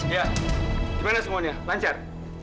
ya gimana semuanya lancar